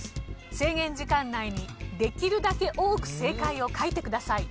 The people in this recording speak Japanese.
制限時間内にできるだけ多く正解を書いてください。